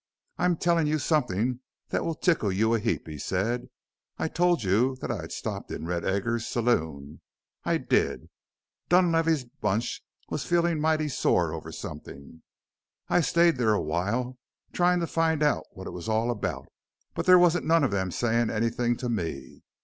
"I'm tellin' you somethin' that will tickle you a heap," he said. "I told you that I had stopped in Red Egger's saloon. I did. Dunlavey's bunch was feelin' mighty sore over somethin'. I stayed there a while, tryin' to find out what it was all about, but there wasn't none of them sayin' anything to me.